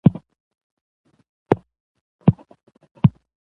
د انګورو او انارو صادرات په ډېرېدو دي.